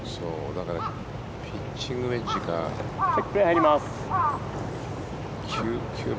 だからピッチングウェッジか９番。